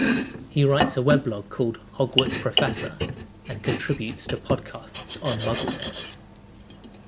He writes a weblog called "Hogwarts Professor," and contributes to podcasts on "Mugglenet.